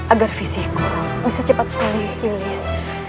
agar fisiku bisa cepat pulih lilis